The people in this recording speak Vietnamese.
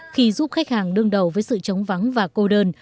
khi giúp khách hàng đương đầu với sự chống vắng và cô đơn